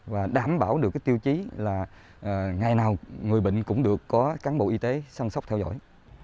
và đảm bảo được cái tiêu chí là ngày nào người bệnh cũng được có cán bộ y tế săn sóc theo dõi